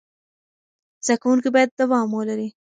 زده کوونکي باید دوام ولري.